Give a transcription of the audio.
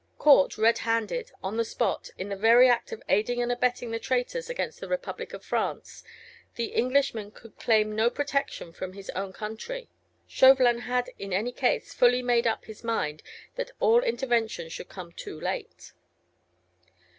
Caught, red handed, on the spot, in the very act of aiding and abetting the traitors against the Republic of France, the Englishman could claim no protection from his own country. Chauvelin had, in any case, fully made up his mind that all intervention should come too late.